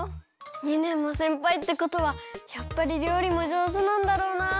２ねんもせんぱいってことはやっぱりりょうりもじょうずなんだろうな。